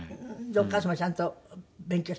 お母様ちゃんと勉強して？